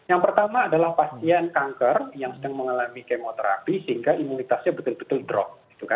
yang pertama adalah pasien kanker yang sedang mengalami kemoterapi sehingga imunitasnya betul betul drop